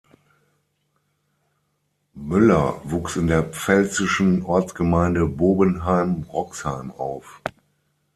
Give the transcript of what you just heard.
Müller wuchs in der pfälzischen Ortsgemeinde Bobenheim-Roxheim auf.